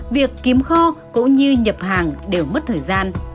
việc kiếm kho cũng như nhập hàng đều mất thời gian